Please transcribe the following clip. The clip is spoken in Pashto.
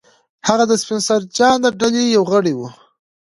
هغه د سپنسر جان د ډلې یو غړی دی